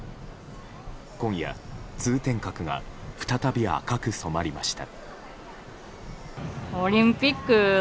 今夜、通天閣が再び赤く染まりました。